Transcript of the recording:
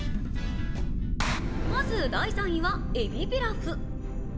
まず第３位は、えびピラフ。